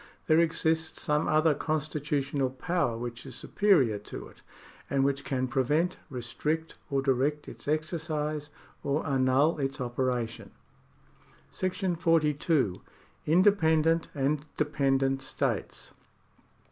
There exists some other constitutional power which is superior to it, and which can prevent, restrict, or direct its exercise, or annul its operation. ^§ 42. independent and Dependent States.